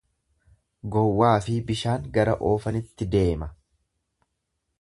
Gowwaafi bishaan gara oofanitti deema.